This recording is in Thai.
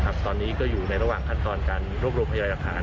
ตอนนี้ก็อยู่ในระหว่างขั้นตอนการรวบรวมพยาฐาน